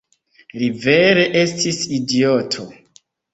Li vere estis idioto!